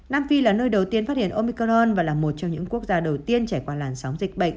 nam phi là nơi đầu tiên phát hiện omicron và là một trong những quốc gia đầu tiên trải qua làn sóng dịch bệnh